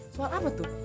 soal apa tuh